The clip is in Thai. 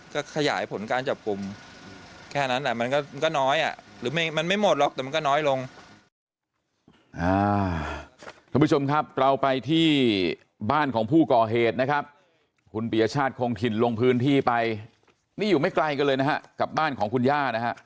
ก็ขยายผลการจับกลุ่มแค่นั้นแต่มันก็น้อยอ่ะ